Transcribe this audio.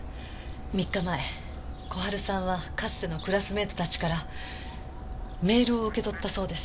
３日前小春さんはかつてのクラスメートたちからメールを受け取ったそうです。